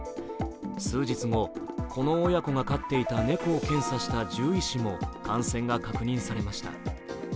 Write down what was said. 数日後、この親子が飼っていたネコを検査した獣医師も感染が確認されました。